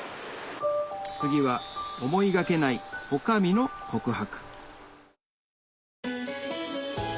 次は思いがけない女将の告白